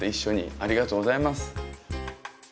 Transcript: ありがとうございます。